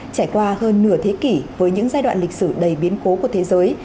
trải qua hơn nửa thế kỷ với những giai đoạn lịch sử đầy biến cố của thế giới